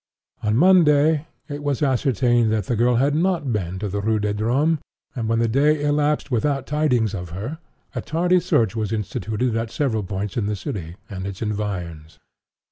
On Monday, it was ascertained that the girl had not been to the Rue des Drômes; and when the day elapsed without tidings of her, a tardy search was instituted at several points in the city, and its environs.